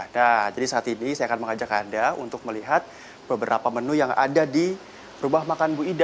nah jadi saat ini saya akan mengajak anda untuk melihat beberapa menu yang ada di rumah makan bu ida